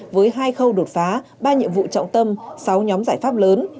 với hai khâu đột phá ba nhiệm vụ trọng tâm sáu nhóm giải pháp lớn